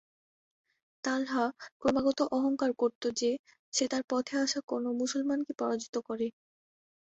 তালহা ক্রমাগত অহংকার করত যে, সে তার পথে আসা যে কোন মুসলমানকে পরাজিত করে।